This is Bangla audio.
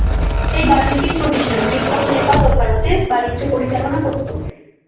এই বাণিজ্যিক প্রতিষ্ঠান তিব্বত, নেপাল ও ভারতে বাণিজ্য পরিচালনা করত।